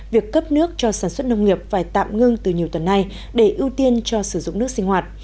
việc cấp nước cho sản xuất nông nghiệp phải tạm ngưng từ nhiều tuần này để ưu tiên cho sử dụng nước sinh hoạt